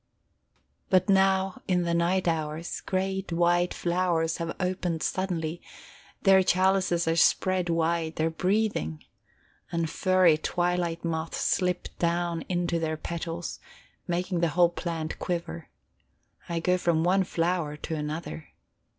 But now, in the night hours, great white flowers have opened suddenly; their chalices are spread wide; they are breathing. And furry twilight moths slip down into their petals, making the whole plant quiver. I go from one flower to another.